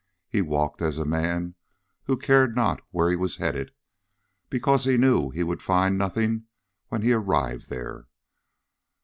He walked as a man who cared not where he was headed, because he knew that he would find nothing when he arrived there.